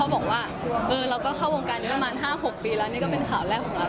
บอกว่าเราก็เข้าวงการนี้ประมาณ๕๖ปีแล้วนี่ก็เป็นข่าวแรกของเรา